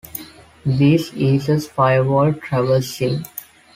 This eases firewall traversing.